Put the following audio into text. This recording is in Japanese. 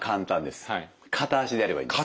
片足でやればいいんです。